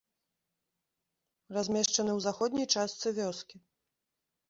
Размешчаны ў заходняй частцы вёскі.